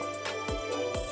pembelajaran film ini memiliki